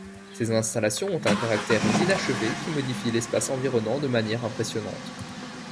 Ces installations ont un caractère d'inachevé qui modifie l'espace environnant de manière impressionnante.